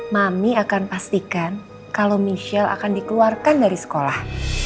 mami akan pastikan kalau michelle akan dikeluarkan dari sekolah